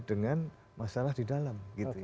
dengan masalah di dalam